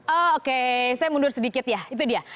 oh oke saya mundur sedikit ya itu dia